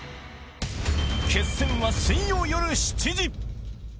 決戦は水曜夜７時！